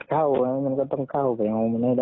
ก็ต้องเกี่ยวกับมัน